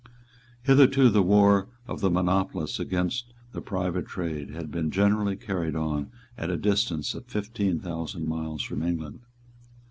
Hitherto the war of the monopolists against the private trade had been generally carried on at the distance of fifteen thousand miles from England.